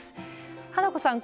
花子さん